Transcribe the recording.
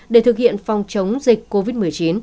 để thực hiện phòng chống dịch covid một mươi chín